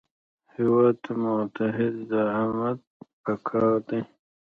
هېواد ته متعهد زعامت پکار دی